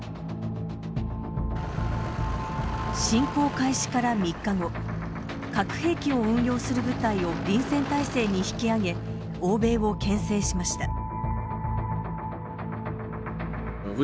侵攻開始から３日後核兵器を運用する部隊を臨戦態勢に引き上げ欧米をけん制しました。